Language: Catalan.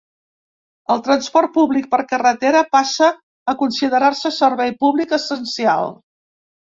El transport públic per carretera passa a considerar-se servei públic essencial.